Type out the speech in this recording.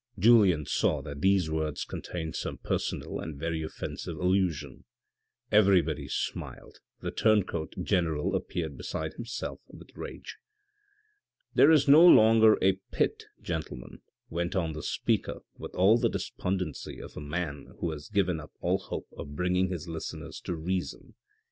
Julien saw that these words contained some personal and very offensive allusion. Everybody smiled, the turn coat general appeared beside himself with rage. " There is no longer a Pitt, gentlemen," went on the speaker with all the despondency of a man who has given up all hope of bringing his listeners to reason.